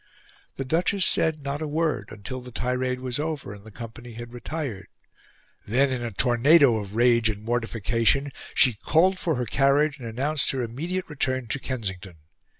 The Duchess said not a word until the tirade was over and the company had retired; then in a tornado of rage and mortification, she called for her carriage and announced her immediate return to Kensington.